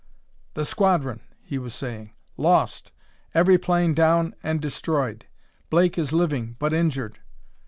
"... The squadron," he was saying. "... Lost! Every plane down and destroyed.... Blake is living but injured...."